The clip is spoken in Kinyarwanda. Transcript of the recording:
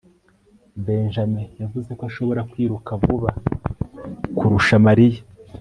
benjamin yavuze ko ashobora kwiruka vuba kurusha mariya